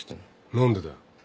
何でだよ。